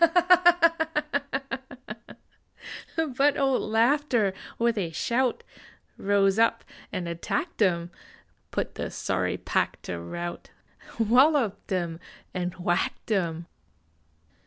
But old Laughter with a shout Rose up and attacked em ; Put the sorry pack to rout, Walloped em and whacked em.